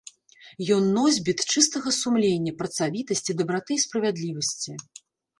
Ён носьбіт чыстага сумлення, працавітасці, дабраты і справядлівасці.